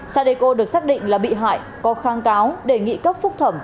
sadeco được xác định là bị hại có kháng cáo đề nghị cấp phúc thẩm